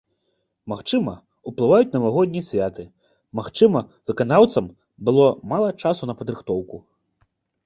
Магчыма, ўплываюць навагоднія святы, магчыма, выканаўцам было мала часу на падрыхтоўку.